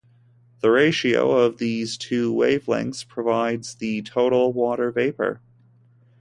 The ratio of these two wavelengths provides the total water vapor.